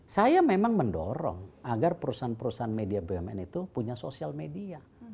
saya memang mendorong agar perusahaan perusahaan media bumn itu punya sosial media